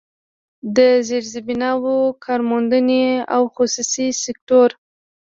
د زيربناوو، کارموندنې او خصوصي سکتور